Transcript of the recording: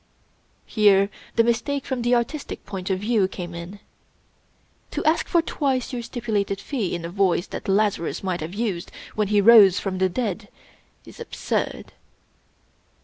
Here the mistake from the artistic point of view came in. To ask for twice your stipulated fee in a voice that Lazarus might have used when he rose from the dead, is absurd.